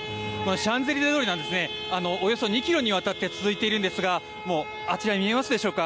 シャンゼリゼ通りおよそ２ｋｍにわたって続いているんですがもうあちら見えますでしょうか。